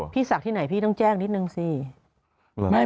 พี่สักที่ไหนพี่ต้องแจ้งนิดหนึ่งสิ